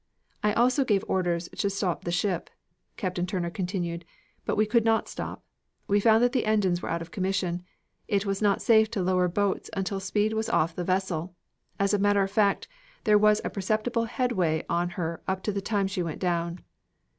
"I also gave orders to stop the ship," Captain Turner continued, "but we could not stop. We found that the engines were out of commission. It was not safe to lower boats until the speed was off the vessel. As a matter of fact, there was a perceptible headway on her up to the time she went down.